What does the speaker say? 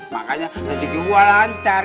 makanya rezekinya gua lancar